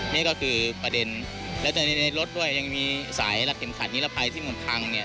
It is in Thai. นี่ก็คือประเด็นแล้วแต่ในรถด้วยยังมีสายรัดเข็มขัดนิรภัยที่มันพังเนี่ย